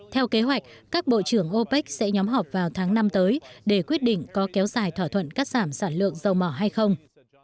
theo kế hoạch các bộ trưởng opec sẽ nhóm họp vào tháng năm tới để quyết định có kéo dài thỏa thuận cắt giảm sản lượng dầu mỏ hay không